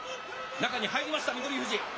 中に入りました、翠富士。